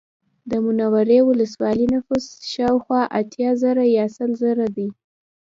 د منورې ولسوالۍ نفوس شاوخوا اتیا زره یا سل زره دی